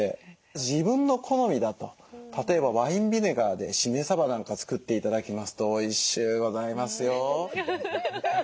自分の好みだと例えばワインビネガーでしめさばなんか作って頂きますとおいしゅうございますよ。